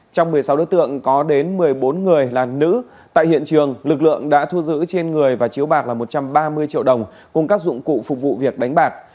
trong một mươi sáu đối tượng có đến một mươi bốn người là nữ tại hiện trường lực lượng đã thu giữ trên người và chiếu bạc là một trăm ba mươi triệu đồng cùng các dụng cụ phục vụ việc đánh bạc